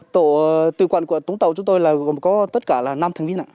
tổ tự quản của tổng tàu chúng tôi gồm có tất cả năm thành viên